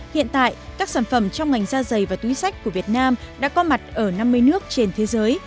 hiện tại các sản phẩm trong ngành da dày và túi sách của việt nam đã có mặt ở năm mươi nước trên thế giới